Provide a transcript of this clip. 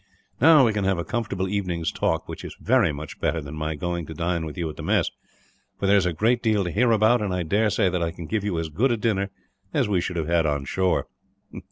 "Now we can have a comfortable evening's talk, which is very much better than my going to dine with you at mess; for there is a great deal to hear about, and I daresay that I can give you as good a dinner as we should have had, on shore."